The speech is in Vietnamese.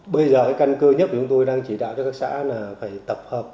bây giờ cái căn cơ nhất của chúng tôi đang chỉ đạo cho các xã là phải tập hợp